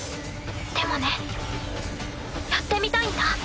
でもねやってみたいんだ。